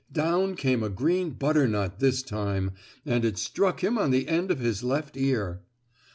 down came a green butternut this time, and it struck him on the end of his left ear.